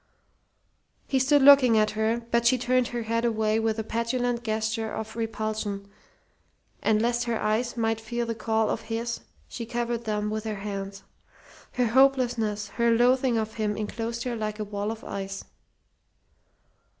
He stood looking at her, but she turned her head away with a petulant gesture of repulsion; and lest her eyes might feel the call of his she covered them with her hands. Her hopelessness, her loathing of him enclosed her like a wall of ice.